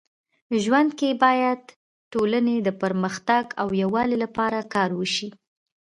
ژوند کي باید ټولني د پرمختګ او يووالي لپاره کار وسي.